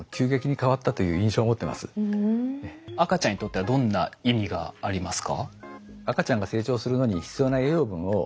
赤ちゃんにとってはどんな意味がありますか？